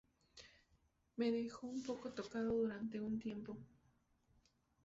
Me dejó un poco tocado durante un tiempo.